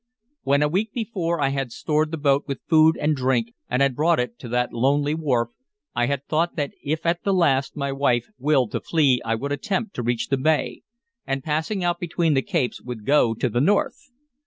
When, a week before, I had stored the boat with food and drink and had brought it to that lonely wharf, I had thought that if at the last my wife willed to flee I would attempt to reach the bay, and passing out between the capes would go to the north.